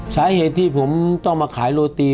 สาเหตุที่ผมต้องมาขายโรตี